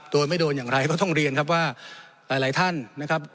โดยไม่โดนอย่างไรก็ต้องเรียนครับว่าหลายท่านนะครับ